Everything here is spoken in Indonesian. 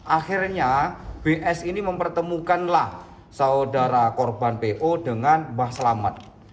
akhirnya bs ini mempertemukanlah saudara korban po dengan mbah selamat